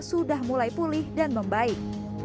sudah mulai pulih dan membaik